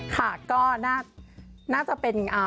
ค่ะก็น่าจะเป็น